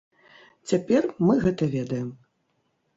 Цяпер мы гэта ведаем.